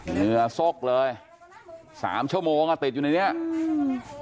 เหงื่อซกเลยสามชั่วโมงอ่ะติดอยู่ในเนี้ยอืม